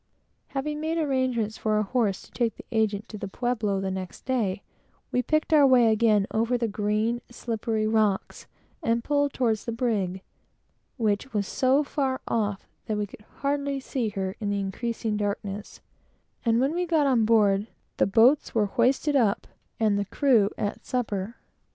Having made our arrangements for a horse to take the agent to the Pueblo the next day, we picked our way again over the green, slippery rocks, and pulled aboard. By the time we reached the vessel, which was so far off that we could hardly see her, in the increasing darkness, the boats were hoisted up, and the crew at supper.